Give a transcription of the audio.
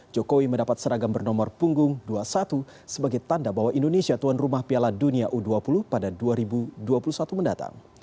jokowi mendapat seragam bernomor punggung dua puluh satu sebagai tanda bahwa indonesia tuan rumah piala dunia u dua puluh pada dua ribu dua puluh satu mendatang